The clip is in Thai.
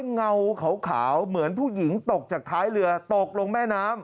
เงาขาวเหมือนผู้หญิงตกจากท้ายเรือตกลงแม่น้ำ